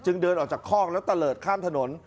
จึงเดินออกจากคอกแล้วเตลิดข้ามถนน